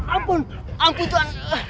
ampun ampun tuhan